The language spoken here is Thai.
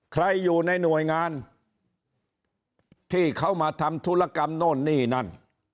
ใครอยู่ในหน่วยงานที่เขามาทำธุรกรรมโน่นนี่นั่น